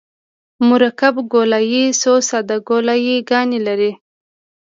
مرکب ګولایي څو ساده ګولایي ګانې لري